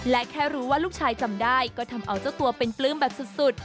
และแค่รู้ว่าลูกชายจำได้ก็ทำเอาเจ้าตัวเป็นปลื้มแบบสุด